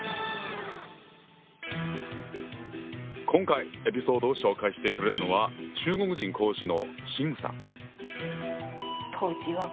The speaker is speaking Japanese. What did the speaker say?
今回エピソードを紹介してくれたのは中国人講師の秦さん。